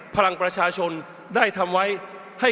พลังประชาชนได้ทำไว้ให้